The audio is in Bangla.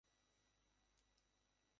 তাহারা মনে করে যে, ঐরূপ যুক্তিই যথেষ্ট।